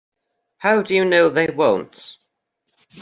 How do you know they won't?